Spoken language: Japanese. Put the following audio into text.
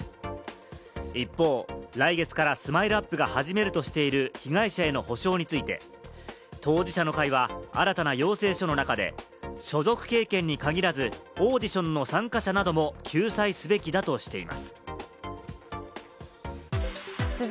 一方、来月からＳＭＩＬＥ‐ＵＰ．が始めるとしている被害者への補償について、当事者の会は新たな要請書の中で所属経験に限らずオーディションの参加者なども救済すべきだとしています。